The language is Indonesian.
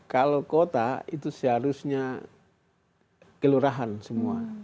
kalau kota itu seharusnya kelurahan semua